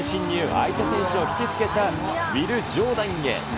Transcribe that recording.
相手選手を引きつけたウィル・ジョーダンへ。